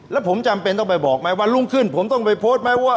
แล้วผมจำเป็นต้องไปบอกไหมวันรุ่งขึ้นผมต้องไปโพสต์ไหมว่า